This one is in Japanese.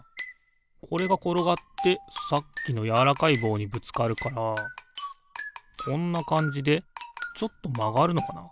これがころがってさっきのやわらかいぼうにぶつかるからこんなかんじでちょっとまがるのかな。